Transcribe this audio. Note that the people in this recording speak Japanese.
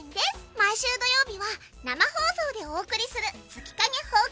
「毎週土曜日は生放送でお送りする月影放課